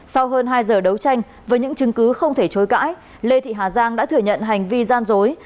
sau hơn hai giờ đấu tranh với những chứng cứ không thể chối cãi lê thị hà giang đã thừa nhận hành vi gian dối